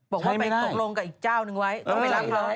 บอกว่าไปตกลงกับอีกเจ้านึงไว้